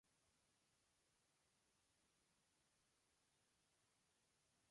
Su longitud es similar a la del río Fleet.